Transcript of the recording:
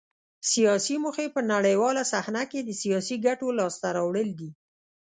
سیاسي موخې په نړیواله صحنه کې د سیاسي ګټو لاسته راوړل دي